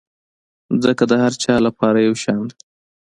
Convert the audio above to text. مځکه د هر چا لپاره یو شان ده.